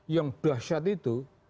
yang dahsyat itu